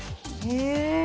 へえ。